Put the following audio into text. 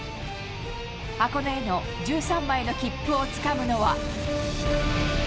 箱根への１３枚の切符をつかむのは。